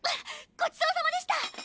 ごちそうさまでした！